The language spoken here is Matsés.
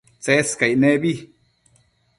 Tsescaic nebi